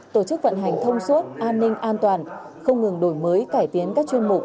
tổ chức vận hành thông suốt an ninh an toàn không ngừng đổi mới cải tiến các chuyên mục